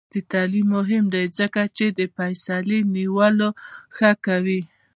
عصري تعلیم مهم دی ځکه چې د فیصلې نیولو ښه کوي.